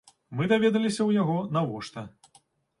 Мы даведаліся ў яго, навошта.